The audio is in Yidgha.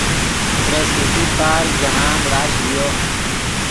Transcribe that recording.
ترے سٹی پارک جاہند رش ڤیو